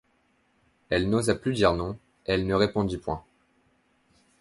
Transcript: Elle n'osa plus dire non, elle ne répondit point.